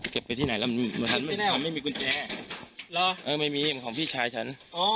เก็บไปที่ไหนแล้วไม่มีกุญแจรอเออไม่มีมันของพี่ชายฉันอ๋อ